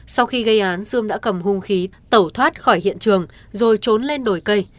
sau khi gây án sươm đã cầm hung khí tẩu thoát khỏi hiện trường rồi trốn lên đồi cây